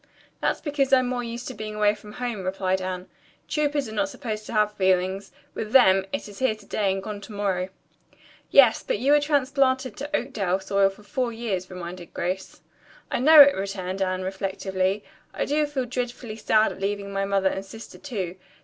"That's because I'm more used to being away from home," replied Anne. "Troupers are not supposed to have feelings. With them, it is here to day and gone to morrow." "Yes, but you were transplanted to Oakdale soil for four years," reminded Grace. "I know it," returned Anne reflectively. "I do feel dreadfully sad at leaving my mother and sister, too.